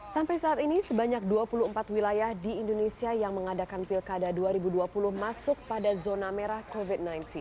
sampai saat ini sebanyak dua puluh empat wilayah di indonesia yang mengadakan pilkada dua ribu dua puluh masuk pada zona merah covid sembilan belas